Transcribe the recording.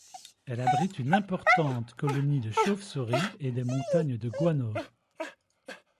Elle abrite une importante colonie de chauves-souris et des montagnes de guano.